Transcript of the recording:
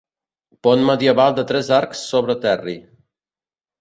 Pont medieval de tres arcs sobre Terri.